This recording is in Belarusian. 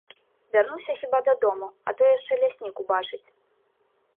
Вярнуся хіба дадому, а то яшчэ ляснік убачыць.